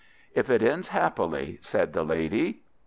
"If it ends happily," said the lady.